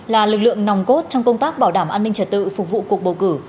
là lực lượng nòng cốt trong công tác bảo đảm an ninh trật tự phục vụ cuộc bầu cử